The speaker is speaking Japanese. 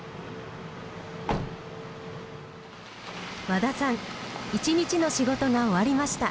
和田さん一日の仕事が終わりました。